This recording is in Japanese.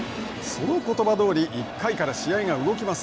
そのことばどおり１回から試合が動きます。